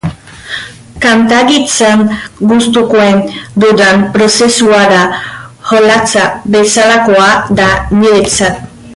Kantagintzan gustukoen dudan prozesua da, jolasa bezalakoa da niretzat.